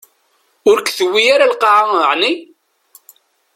Ur k-tewwi ara lqaɛa, ɛni?